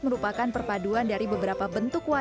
merupakan perpaduan dari beberapa karya seni lukis wayang